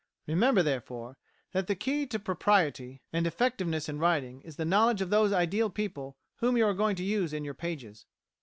Remember, therefore, that the key to propriety and effectiveness in writing is the knowledge of those ideal people whom you are going to use in your pages.